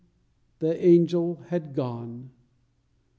the angel had gone.